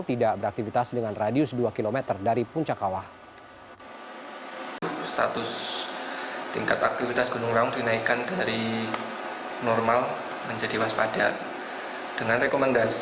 tidak beraktivitas dengan radius dua km dari puncak kawah